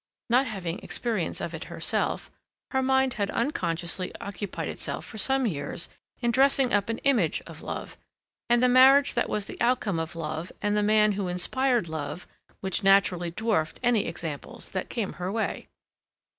Not having experience of it herself, her mind had unconsciously occupied itself for some years in dressing up an image of love, and the marriage that was the outcome of love, and the man who inspired love, which naturally dwarfed any examples that came her way.